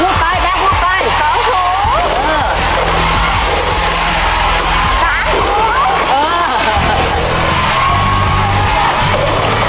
หลุดไปแม่งหลุดไป